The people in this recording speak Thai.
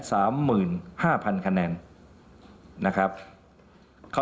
สินกควรครับมันมีหลักแบบว่า